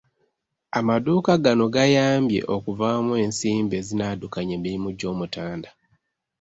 Amaduuka gano gayambe okuvaamu ensimbi ezinaddukanya emirimu gy'Omutanda